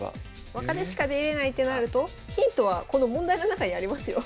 若手しか出れないってなるとヒントはこの問題の中にありますよ。